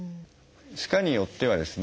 歯科によってはですね